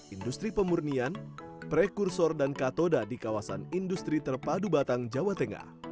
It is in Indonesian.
industri pemurnian prekursor dan katoda di kawasan industri terpadu batang jawa tengah